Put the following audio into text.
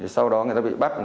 sau đó người ta bị bắt